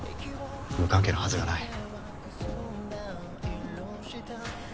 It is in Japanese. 無関係なはずがない。